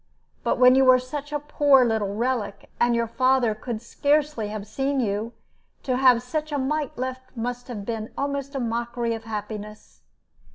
But when you were such a poor little relic, and your father could scarcely have seen you, to have such a mite left must have been almost a mockery of happiness.